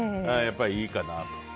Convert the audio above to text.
やっぱりいいかなと。